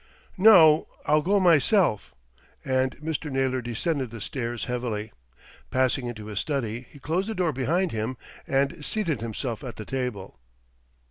"No, I'll go myself;" and Mr. Naylor descended the stairs heavily. Passing into his study, he closed the door behind him and seated himself at the table.